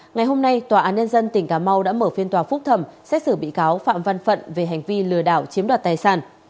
ngày hôm nay tòa án nhân dân tỉnh cà mau đã mở phiên tòa phúc thẩm xét xử bị cáo phạm văn phận về hành vi lừa đảo chiếm đoạt tài sản